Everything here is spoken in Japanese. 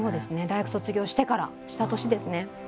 大学卒業してからした年ですね。